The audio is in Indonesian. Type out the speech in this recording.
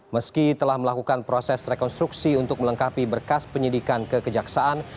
meski telah melakukan proses rekonstruksi untuk melengkapi berkas penyidikan kekejaksaan